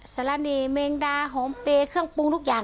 สารเน่แมงดาหอมเปย์เครื่องปรุงทุกอย่าง